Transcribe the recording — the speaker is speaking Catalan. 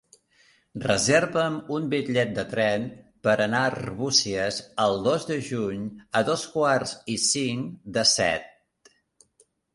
Reserva'm un bitllet de tren per anar a Arbúcies el dos de juny a dos quarts i cinc de set.